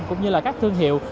cũng như là các thương hiệu